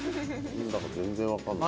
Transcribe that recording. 何だか全然分かんない。